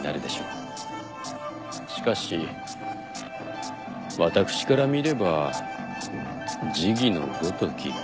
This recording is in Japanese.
しかし私から見れば児戯のごとき下策かと。